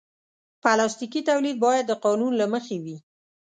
پلاستيکي تولید باید د قانون له مخې وي.